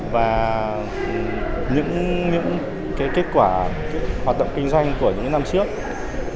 và những kết quả hoạt động kinh doanh của những năm trước